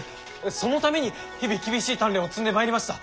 そのために日々厳しい鍛錬を積んでまいりました。